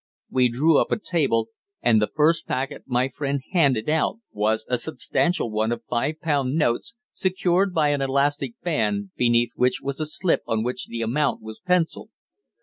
We drew up a table, and the first packet my friend handed out was a substantial one of five pound notes, secured by an elastic band, beneath which was a slip on which the amount was pencilled.